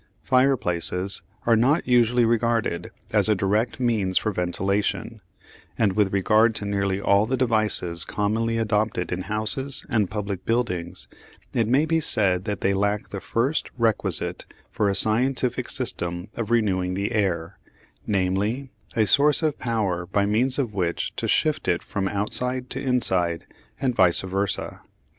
Fireplaces are not unusually regarded as a direct means for ventilation, and with regard to nearly all the devices commonly adopted in houses and public buildings, it may be said that they lack the first requisite for a scientific system of renewing the air, namely a source of power by means of which to shift it from outside to inside, and vice versâ.